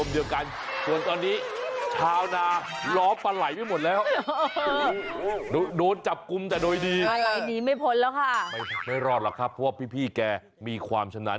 ไม่รอดหรอกครับเพราะว่าพี่แกมีความชำนาญ